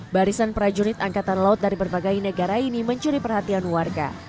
barisan prajurit angkatan laut dari berbagai negara ini mencuri perhatian warga